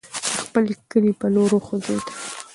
د خپل کلي پر لور وخوځېدل.